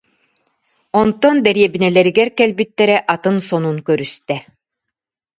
Онтон дэриэбинэлэригэр кэлбиттэрэ атын сонун көрүстэ